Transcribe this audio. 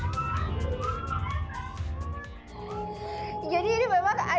menurut pengunjung pengunjung tidak bisa menerima kejadian yang menarik